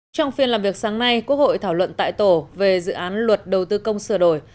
trong phiên làm việc sáng nay quốc hội thảo luận tại tổ về dự án luật đầu tư công sửa đổi